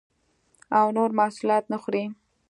او نور محصولات نه خوري